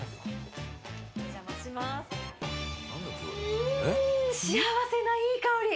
うん幸せないい香り。